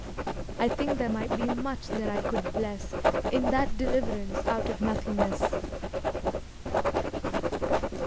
I think there might be much that I could bless In that deliverance out of nothingness.